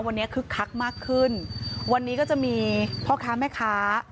วันนี้คึกคักมากขึ้นวันนี้ก็จะมีพ่อค้าแม่ค้า